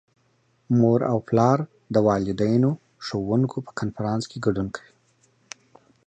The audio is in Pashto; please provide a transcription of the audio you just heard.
مور او پلار د والدین - ښوونکو په کنفرانس کې ګډون کوي.